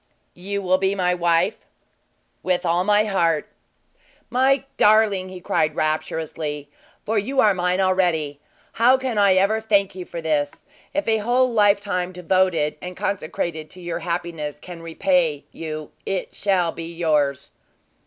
"You will be my wife?" "With all my heart!" "My darling!" he cried, rapturously "for you are mine already how can I ever thank you for this? If a whole lifetime devoted and consecrated to your happiness can repay you, it shall be yours!"